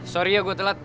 sorry ya gue telat